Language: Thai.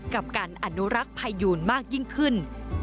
กับการอนุรักษ์พายูนมากยิ่งขึ้น